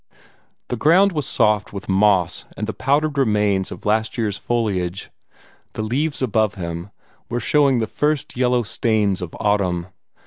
The ground was soft with moss and the powdered remains of last year's foliage; the leaves above him were showing the first yellow stains of autumn.